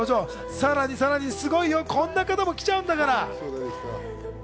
さらにさらに、すごいよ、こんな方も来ちゃうんだから。